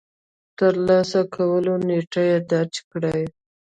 د ترلاسه کولو نېټه يې درج کړئ.